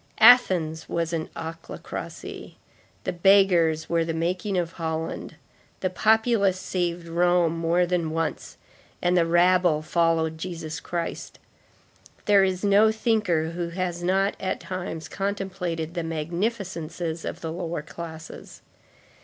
Athens was an ochlocracy; the beggars were the making of Holland; the populace saved Rome more than once; and the rabble followed Jesus Christ. There is no thinker who has not at times contemplated the magnificences of the lower classes.